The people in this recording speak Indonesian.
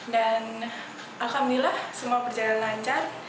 dan alhamdulillah semua perjalanan lancar